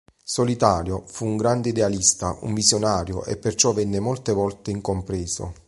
Solitario, fu un grande idealista, un visionario e perciò venne molte volte incompreso.